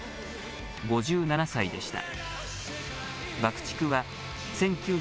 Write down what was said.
５７歳でした。